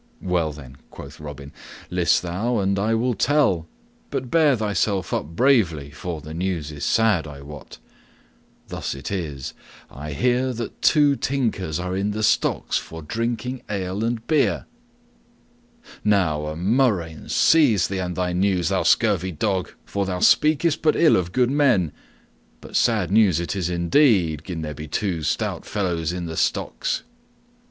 "Well then," quoth Robin, "list thou and I will tell, but bear thyself up bravely, for the news is sad, I wot. Thus it is: I hear that two tinkers are in the stocks for drinking ale and beer!" "Now a murrain seize thee and thy news, thou scurvy dog," quoth the Tinker, "for thou speakest but ill of good men. But sad news it is indeed, gin there be two stout fellows in the stocks."